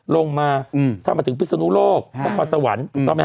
ลงมาถ้ามาถึงพิษนุโลกพระควรสวรรค์